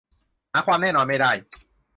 หาความแน่นอนไม่ได้